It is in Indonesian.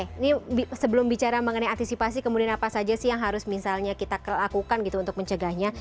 ini sebelum bicara mengenai antisipasi kemudian apa saja sih yang harus misalnya kita lakukan gitu untuk mencegahnya